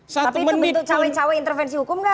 tapi itu bentuk cawai cawai intervensi hukum gak